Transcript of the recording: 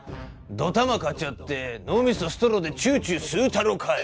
ドタマかち割って脳みそストローでチューチュー吸うたろかい！